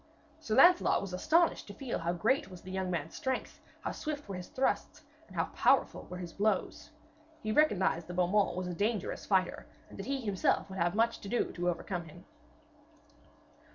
Sir Lancelot was astonished to feel how great was the young man's strength, how swift were his thrusts, and how powerful were his blows. He recognised that Beaumains was a dangerous fighter, and that he himself would have much to do to overcome him.